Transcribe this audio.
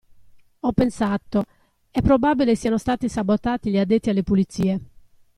Ho pensato: "È probabile siano stati sabotati gli addetti alle pulizie.